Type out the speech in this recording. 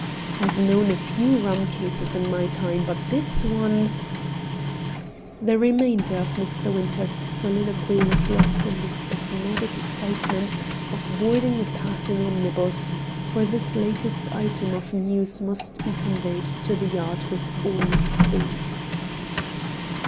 I've known a few rum cases in my time, but this one " The remainder of Mr. Winter's soliloquy was lost in the spasmodic excitement of boarding a passing omnibus, for this latest item of news must be conveyed to the Yard with all speed.